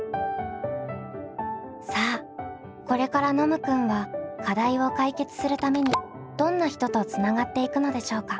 さあこれからノムくんは課題を解決するためにどんな人とつながっていくのでしょうか？